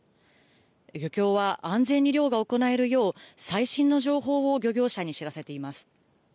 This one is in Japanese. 漁協は安全に漁が行えるよう、最新の情報を漁業者に知らせています。